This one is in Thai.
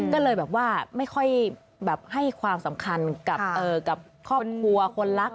ก็เลยแบบว่าไม่ค่อยแบบให้ความสำคัญกับครอบครัวคนรัก